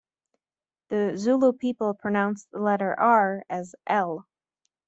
The Zulu people pronounce the letter "r" as "l".